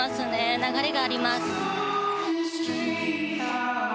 流れがあります。